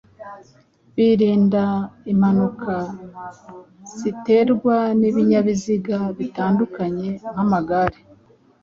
birinda impanuka ziterwa n’ibinyabiziga bitandukanye nk’amagare,